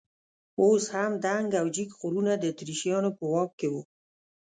اوس هم دنګ او جګ غرونه د اتریشیانو په واک کې وو.